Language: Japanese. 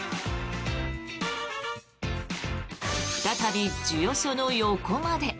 再び授与所の横まで。